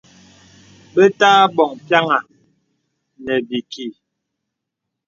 Bə̀ tə̀ abɔ̀ŋ pyàŋà nə̀ bìkì.